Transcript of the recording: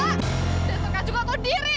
dasar kacung aku diri